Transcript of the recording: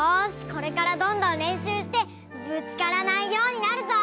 これからどんどんれんしゅうしてぶつからないようになるぞ！